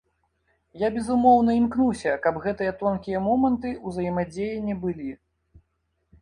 Я, безумоўна, імкнуся, каб гэтыя тонкія моманты ўзаемадзеяння былі.